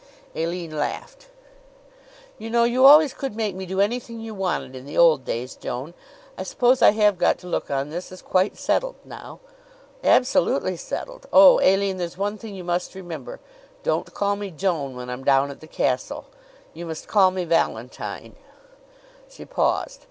Aline laughed. "You know, you always could make me do anything you wanted in the old days, Joan. I suppose I have got to look on this as quite settled now?" "Absolutely settled! Oh, Aline, there's one thing you must remember: Don't call me Joan when I'm down at the castle. You must call me Valentine." She paused.